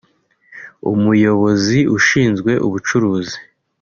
umuyobozi ushinzwe ubucuruzi